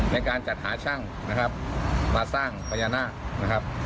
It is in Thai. ในการจัดหาช่างนะครับมาสร้างพญานาคนะครับ